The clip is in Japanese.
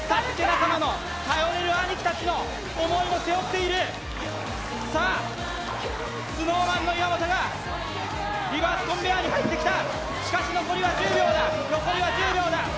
仲間の頼れる兄貴達の思いも背負っているさあＳｎｏｗＭａｎの岩本がリバースコンベアーに入ってきたしかし残りは１０秒だ残りは１０秒だ